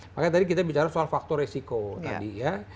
makanya tadi kita bicara soal faktor resiko tadi ya